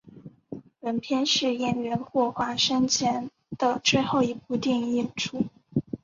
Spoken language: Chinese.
本片是演员岳华生前的最后一部电影演出。